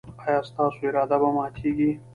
ایا ستاسو اراده به ماتیږي؟